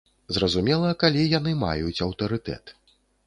Зразумела, калі яны маюць аўтарытэт.